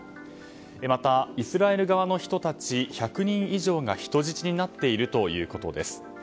また、イスラエル側の人たち１００人以上が人質になっているということです。